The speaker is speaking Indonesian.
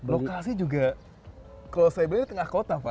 lokasi juga kalau saya bilang tengah kota pak